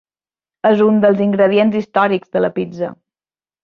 És un dels ingredients històrics de la pizza.